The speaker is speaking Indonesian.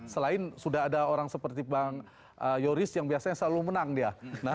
selain sudah ada orang seperti bang yoris yang biasanya selalu menang dia